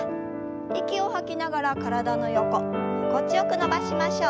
息を吐きながら体の横心地よく伸ばしましょう。